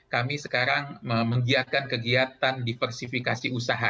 kami sekarang menggiatkan kegiatan diversifikasi usaha bagi anggota